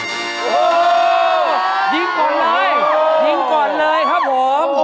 โอ้โหยิงก่อนเลยยิงก่อนเลยครับผม